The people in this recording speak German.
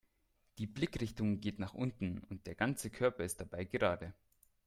Die Blickrichtung geht nach unten und der ganze Körper ist dabei gerade.